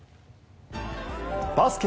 バスケ